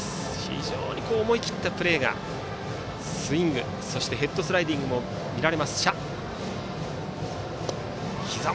非常に思い切ったプレーがスイングヘッドスライディングも見られます、謝。